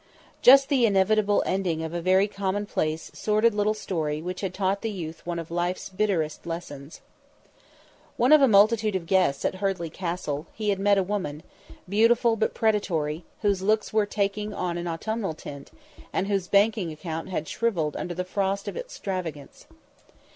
Just the inevitable ending of a very commonplace, sordid little story which had taught the youth one of life's bitterest lessons. One of a multitude of guests at Hurdley Castle, he had met a woman, beautiful but predatory, whose looks were taking on an autumnal tint, and whose banking account had shrivelled under the frost of extravagance.